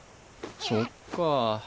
そっかぁ。